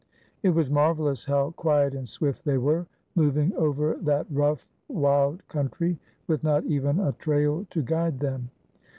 It was marvelous how quiet and swift they were, moving over that rough, wild country, with not even a trail to guide them.